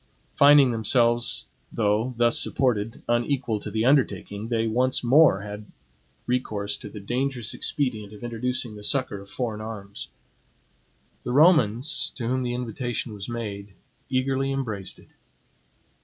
Finding themselves, though thus supported, unequal to the undertaking, they once more had recourse to the dangerous expedient of introducing the succor of foreign arms. The Romans, to whom the invitation was made, eagerly embraced it.